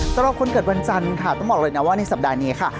สำหรับคนเกิดวันจันทร์ค่ะต้องบอกเลยนะว่าในสัปดาห์นี้ค่ะ